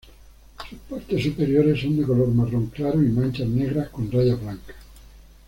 Sus partes superiores son de color marrón claro y manchas negras con rayas blancas.